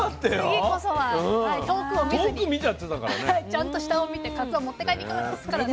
ちゃんと下を見てかつお持って帰ってきますからね。